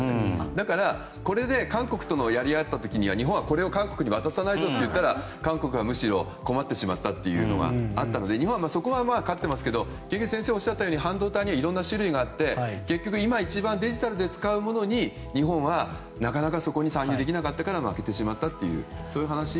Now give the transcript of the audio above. だからこれで韓国とやり合った時にはこれを韓国に渡さないぞとなったら韓国はむしろ困ってしまったということがあったので日本はそこは勝っていますが先生がおっしゃったように半導体にはいろんな種類あって結局、今一番デジタルで使うものに、日本はなかなか参入できなかったから負けてしまったと。